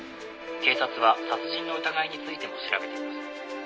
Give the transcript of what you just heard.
警察は殺人の疑いについても調べています